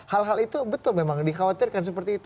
hal hal itu betul memang dikhawatirkan seperti itu